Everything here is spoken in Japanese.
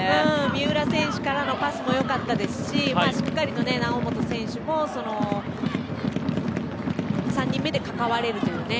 三浦選手からのパスも良かったですししっかり、猶本選手も３人目で関われるというね。